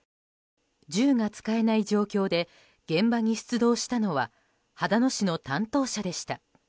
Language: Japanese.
銃が使えない状況で現場に出動したのは秦野市の担当者でした。